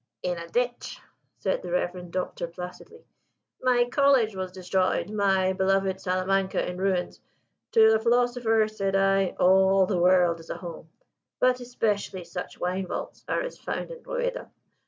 "In a ditch," said the reverend Doctor placidly. "My college was destroyed: my beloved Salamanca in ruins. 'To a philosopher,' said I, 'all the world is a home; but especially such wine vaults as are found in Rueda.'